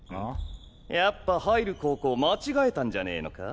やっぱ入る高校間違えたんじゃねぇのか？